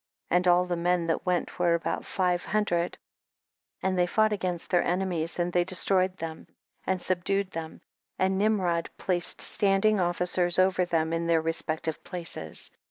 37. And all the men that went were about five hundred, and they 2 fought against their enemies, and they destroyed them, and subdued them, and Nimrod placed standing ofhcers over them in their respective places, 38.